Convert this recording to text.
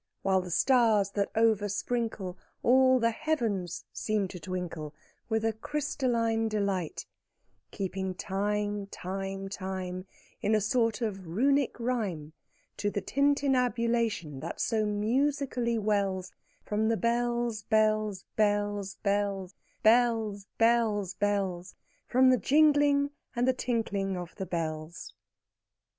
While the stars, that oversprinkle All the heavens, seem to twinkle With a crystalline delight; Keeping time, time, time, In a sort of Runic rhyme, To the tintinnabulation that so musically wells From the bells, bells, bells, bells, Bells, bells, bells From the jingling and the tinkling of the bells.